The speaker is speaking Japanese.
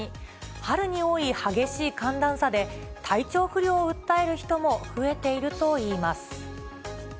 春に多い激しい寒暖差で、体調不良を訴える人も増えているといいます。